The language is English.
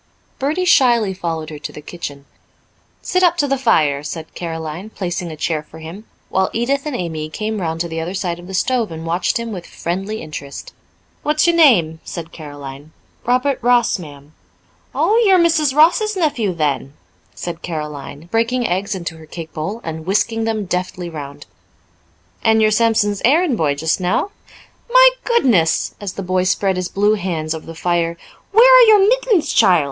Bertie shyly followed her to the kitchen. "Sit up to the fire," said Caroline, placing a chair for him, while Edith and Amy came round to the other side of the stove and watched him with friendly interest. "What's your name?" asked Caroline. "Robert Ross, ma'am." "Oh, you're Mrs. Ross's nephew then," said Caroline, breaking eggs into her cake bowl, and whisking them deftly round. "And you're Sampson's errand boy just now? My goodness," as the boy spread his blue hands over the fire, "where are your mittens, child?